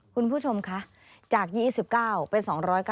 คุณผู้ชมคะจาก๒๙เป็น๒๙